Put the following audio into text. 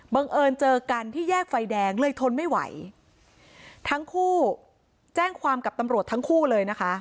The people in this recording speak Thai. บังเอิญเจอกันที่แยกไฟแดงเลยทนไม่ไหวทั้งคู่แจ้งความกับตำรวจทั้งคู่เลยนะคะ